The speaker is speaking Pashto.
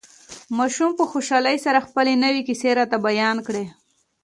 ماشوم په خوشحالۍ سره خپلې نوې کيسې راته بيان کړې.